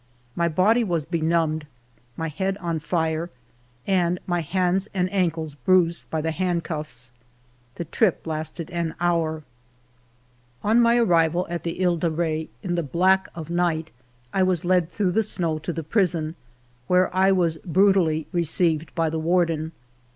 My body was benumbed, my head on fire, and my hands and ankles bruised by the handcuffs. The trip lasted an hour. ALFRED DREYFUS 77 On my arrival at the He de Re in the black of night, I was led through the snow to the prison, where I was brutally received by the warden.